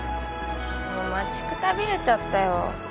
もう待ちくたびれちゃったよ。